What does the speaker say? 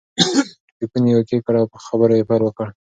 ټلیفون یې اوکې کړ او په خبرو یې پیل وکړ.